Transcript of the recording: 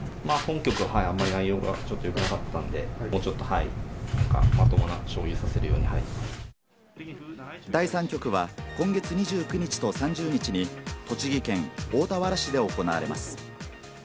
本局はあんまり、内容がちょっとよくなかったんで、もうちょっとまともな将棋、第３局は、今月２９日と３０日に、栃木県大田原市で行われます。